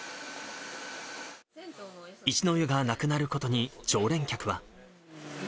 一の湯がなくなることに常連客は。